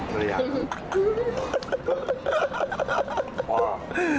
พันธุ์ระยะ